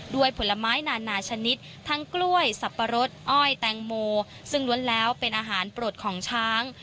ผลไม้นานาชนิดทั้งกล้วยสับปะรดอ้อยแตงโมซึ่งล้วนแล้วเป็นอาหารโปรดของช้าง